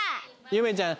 ゆめちゃん。